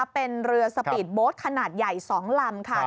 เป็นเรือสปีดโบ๊ทขนาดใหญ่๒ลำค่ะ